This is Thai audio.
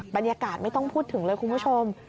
บรรยากาศไม่ต้องพูดถึงเลยคุณผู้ชม